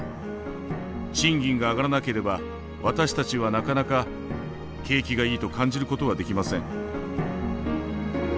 賃金が上がらなければ私たちはなかなか景気がいいと感じることはできません。